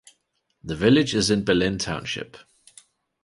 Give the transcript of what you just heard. The village is in Berlin Township.